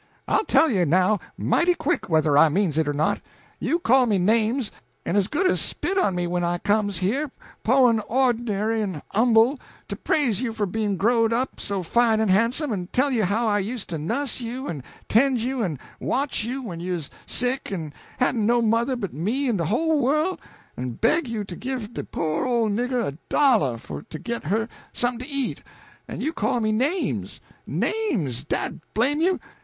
"I'll let you know mighty quick whether I means it or not! You call me names, en as good as spit on me when I comes here po' en ornery en 'umble, to praise you for bein' growed up so fine en handsome, en tell you how I used to nuss you en tend you en watch you when you 'uz sick en hadn't no mother but me in de whole worl', en beg you to give de po' ole nigger a dollah for to git her som'n' to eat, en you call me names names, dad blame you!